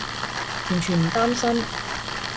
完全唔擔心